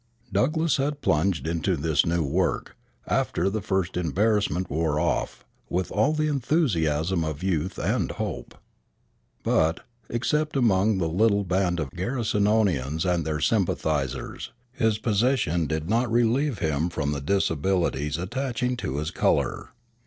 ] Douglass had plunged into this new work, after the first embarrassment wore off, with all the enthusiasm of youth and hope. But, except among the little band of Garrisonians and their sympathizers, his position did not relieve him from the disabilities attaching to his color.